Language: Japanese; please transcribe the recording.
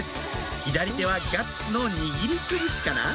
左手はガッツの握り拳かな？